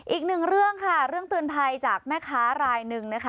อีกหนึ่งเรื่องค่ะเรื่องเตือนภัยจากแม่ค้ารายหนึ่งนะคะ